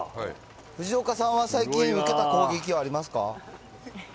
藤岡さんは最近、受けた攻撃はありますか。